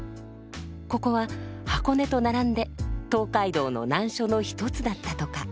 ここは箱根と並んで東海道の難所の一つだったとか。